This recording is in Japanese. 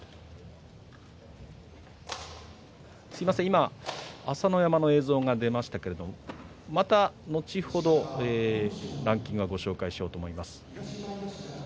すみません、今、朝乃山の映像が出ましたけれどもまた後ほどランキングはご紹介しようと思います。